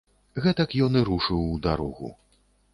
Гэтак ён і рушыў у дарогу.